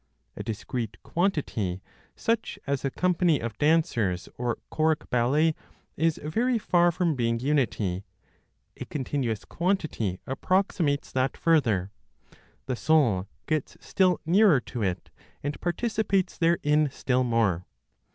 A discrete quantity such as a company of dancers, or choric ballet, is very far from being unity; a continuous quantity approximates that further; the soul gets still nearer to it, and participates therein still more.